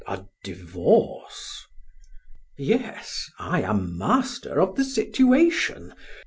"A divorce?" "Yes, I am master of the situation.